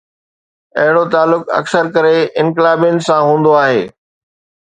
اهڙو تعلق اڪثر ڪري انقلابين سان هوندو آهي.